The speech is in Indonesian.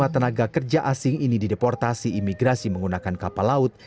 tiga puluh lima tenaga kerja asing ini di deportasi imigrasi menggunakan kapal laut